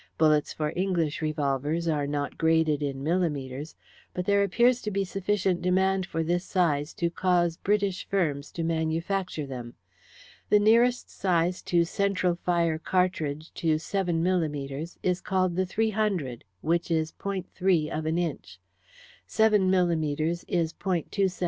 Bullets for English revolvers are not graded in millimetres, but there appears to be sufficient demand for this size to cause British firms to manufacture them. The nearest size in central fire cartridge to seven millimetres is called the 300, which is .3 of an inch. Seven millimetres is .